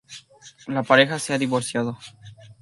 La pareja se ha divorciado.